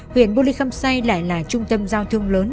huyện bô lê khâm say lại là trung tâm giao thương lớn